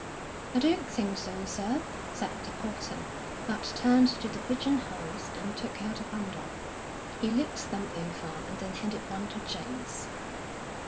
"I don't think so, sir," said the porter, but turned to the pigeon holes and took out a bundle. He looked them over, and then handed one to James.